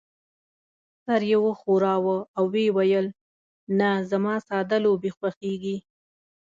سر يې وښوراوه او وې ویل: نه، زما ساده لوبې خوښېږي.